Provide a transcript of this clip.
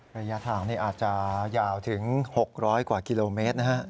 ระยะทางนี้อาจจะยาวถึง๖๐๐กว่ากิโลเมตรนะฮะ